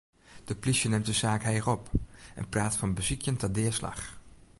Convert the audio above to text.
De plysje nimt de saak heech op en praat fan besykjen ta deaslach.